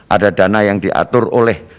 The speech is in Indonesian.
ada dana yang diatur oleh